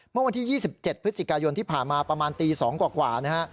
เมื่อวันที่๒๗พฤศจิกายนที่ผ่านมาประมาณตี๒กว่านะฮะ